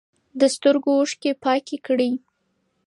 د سترګو اوښکې پاکې کړئ.